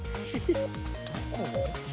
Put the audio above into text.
どこ？